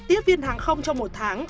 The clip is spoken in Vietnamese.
tiếp viên hàng không trong một tháng